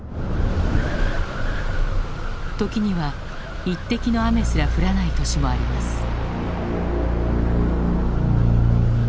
時には一滴の雨すら降らない年もあります。